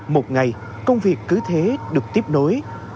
một ngày công việc cứ thế được tiếp nối